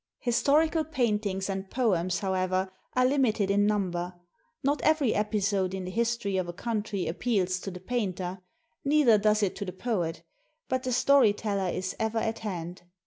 Historical paintings and poems, however, are hmited in number. Not every episode in the history of a country appeals to the painter, neither does it to the poet; but the story teller is ever at hand.